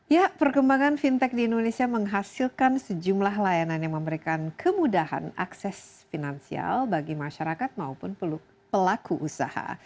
ya perkembangan fintech di indonesia menghasilkan sejumlah layanan yang memberikan kemudahan akses finansial bagi masyarakat maupun pelaku usaha